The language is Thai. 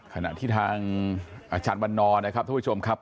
ขณะที่ทางอาจารย์วันนอร์นะครับท่านผู้ชมครับ